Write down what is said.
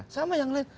sama yang lain